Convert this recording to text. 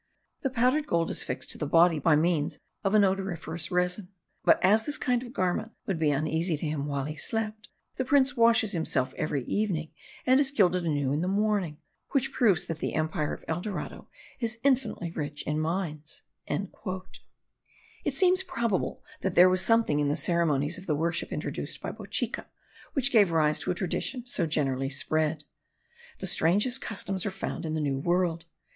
The powdered gold is fixed to the body by means of an odoriferous resin; but, as this kind of garment would be uneasy to him while he slept, the prince washes himself every evening, and is gilded anew in the morning, which proves that the empire of El Dorado is infinitely rich in mines." It seems probable that there was something in the ceremonies of the worship introduced by Bochica which gave rise to a tradition so generally spread. The strangest customs are found in the New World.